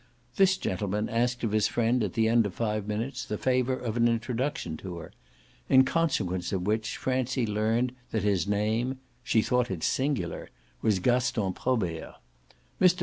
This gentleman asked of his friend at the end of five minutes the favour of an introduction to her; in consequence of which Francie learned that his name she thought it singular was Gaston Probert. Mr.